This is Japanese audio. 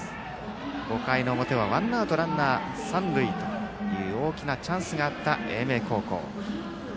５回の表は、ワンアウトランナー、三塁という大きなチャンスがあった英明高校。